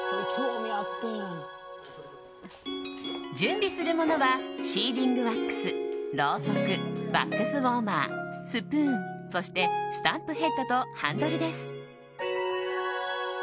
準備するものはシーリングワックスろうそく、ワックスウォーマースプーンそしてスタンプヘッドとハンドルです。